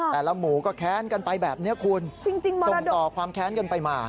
แต่ละหมู่ก็แค้นกันไปแบบนี้คุณส่งต่อความแค้นกันไปมา